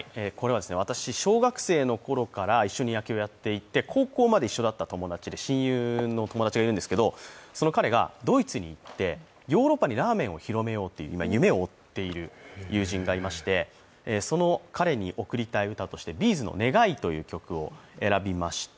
私、小学生のころから一緒に野球をやっていて高校まで一緒だった友達で、親友の友達がいるんですけど、その彼がドイツに行ってヨーロッパにラーメンを広めようという今、夢を追っている友人がいましてその彼に贈りたい歌として、Ｂ’ｚの「ねがい」を選びました。